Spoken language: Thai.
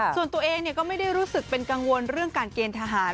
ส่วนตัวเองก็ไม่ได้รู้สึกเป็นกังวลเรื่องการเกณฑ์ทหาร